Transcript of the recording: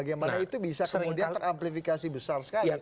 bagaimana itu bisa kemudian teramplifikasi besar sekali